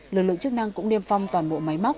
lực lượng chức năng cũng niêm phong toàn bộ máy móc